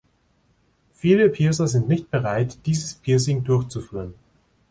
Viele Piercer sind nicht bereit, dieses Piercing durchzuführen.